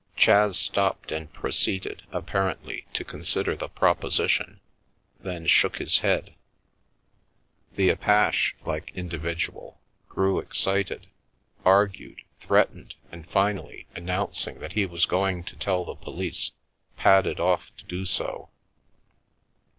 Chas stopped and proceeded, apparently, to consider the proposition, then shook his head. The apache like individual grew ex cited, argued, threatened and finally, announcing that he was going to tell the police, padded off to do so.